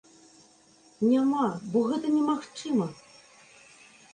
Няма, бо гэта немагчыма.